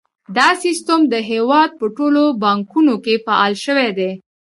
دا سیستم د هیواد په ټولو بانکونو کې فعال شوی دی۔